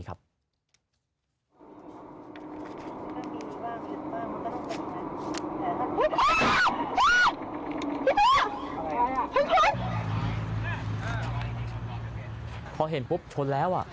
พอเห็นปุ๊บชนแล้ว